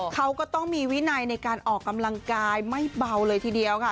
เขาก็ต้องมีวินัยในการออกกำลังกายไม่เบาเลยทีเดียวค่ะ